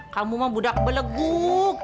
kamu mah budak beleguk